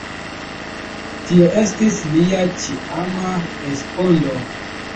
Tio estis lia ĉiama respondo.